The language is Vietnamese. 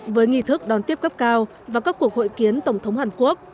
với nghi thức đón tiếp cấp cao và các cuộc hội kiến tổng thống hàn quốc